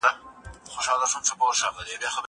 زه به اوږده موده ږغ اورېدلی وم!؟